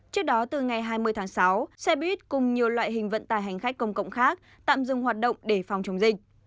trước đó từ ngày hai mươi tháng sáu xe buýt cùng nhiều loại hình vận tài hành khách công cộng khác tạm dừng hoạt động để phòng chống dịch